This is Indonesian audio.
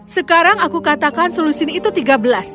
sekarang aku katakan selusin itu tiga belas